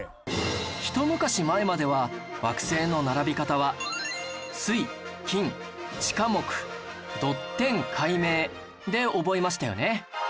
ひと昔前までは惑星の並び方は「水金地火木土天海冥」で覚えましたよね